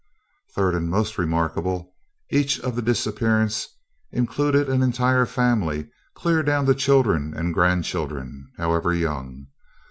Third, and most remarkable, each such disappearance included an entire family, clear down to children and grand children, however young.